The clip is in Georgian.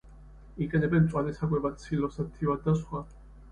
იყენებენ მწვანე საკვებად, სილოსად, თივად და სხვა.